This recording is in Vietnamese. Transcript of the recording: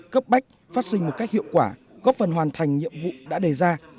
cấp bách phát sinh một cách hiệu quả góp phần hoàn thành nhiệm vụ đã đề ra